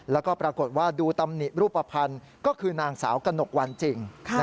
แล้วก็ปรากฏว่าดูตำหนิรูปภัณฑ์ก็คือนางสาวกระหนกวันจริง